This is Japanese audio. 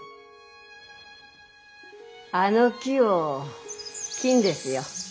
あの木を切んですよ